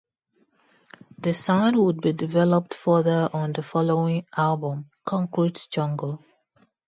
The sound would be developed further on the following album, "Concrete Jungle".